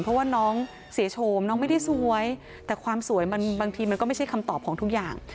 เพราะว่าน้องเสียโฉมน้องไม่ได้สวยแต่ความสวยมันบางทีมันก็ไม่ใช่คำตอบของทุกอย่าง